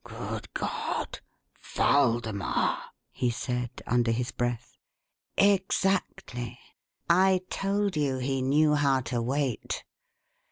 "Good God! Waldemar!" he said, under his breath. "Exactly. I told you he knew how to wait.